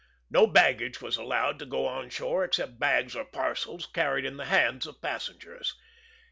No baggage was allowed to go on shore except bags or parcels carried in the hands of passengers.